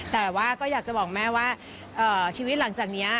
แต่ว่าก็อยากจะบอกแม่ว่าชีวิตหลังจากนี้